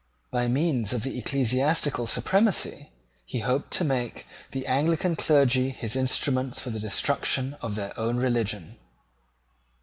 By means of the ecclesiastical supremacy he hoped to make the Anglican clergy his instruments for the destruction of their own religion.